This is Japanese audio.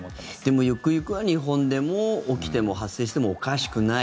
でも行く行くは日本でも起きても発生してもおかしくない。